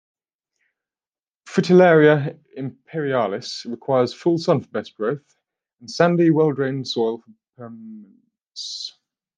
"Fritillaria imperialis" requires full sun for best growth, and sandy, well-drained soil for permanence.